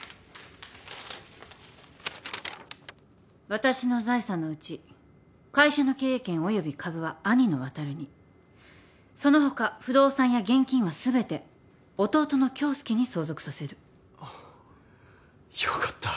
「私の財産のうち会社の経営権および株は兄の渉にその他不動産や現金は全て弟の恭介に相続させる」あよかった。